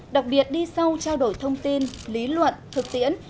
đặc biệt đi sâu trao đổi thông tin lý luận thực tiễn